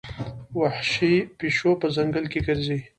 وحشي پیشو په ځنګل کې ګرځي.